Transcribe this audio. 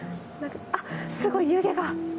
あっすごい湯気が。